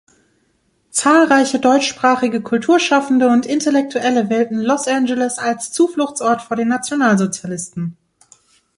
Zahlreiche deutschsprachige Kulturschaffende und Intellektuelle wählten Los Angeles als Zufluchtsort vor den Nationalsozialisten.